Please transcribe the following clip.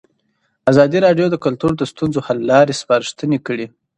ازادي راډیو د کلتور د ستونزو حل لارې سپارښتنې کړي.